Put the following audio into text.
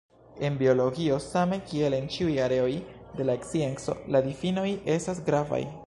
En biologio, same kiel en ĉiuj areoj de la scienco, la difinoj estas gravaj.